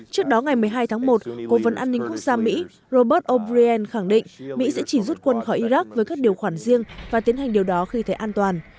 trước đó ngày một mươi hai tháng một cố vấn an ninh quốc gia mỹ robert o brien khẳng định mỹ sẽ chỉ rút quân khỏi iraq với các điều khoản riêng và tiến hành điều đó khi thấy an toàn